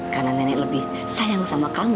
karena nenek lebih sayang sama kami